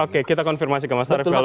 oke kita konfirmasi ke mas arief kalau